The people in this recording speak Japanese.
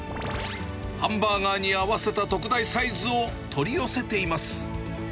ハンバーガーに合わせた特大サイズを取り寄せています。